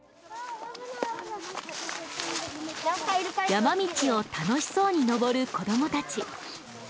山道を楽しそうに登る子どもたち。